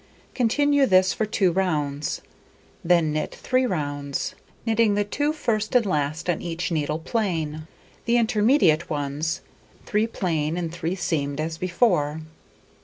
Continue this for 2 rounds; then knit 3 rounds, knitting the 2 first and last on each needle plain; the intermediate ones, 3 plain and 3 seamed as before.